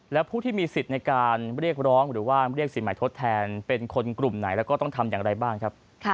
และผู้ที่มีสิทธิ์ในการเรียกร้องหรือว่าเรียกสินใหม่ทดแทนเป็นคนกลุ่มไหนแล้วก็ต้องทำอย่างไรบ้างครับ